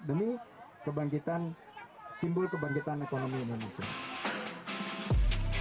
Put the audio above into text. demi simbol kebangkitan ekonomi indonesia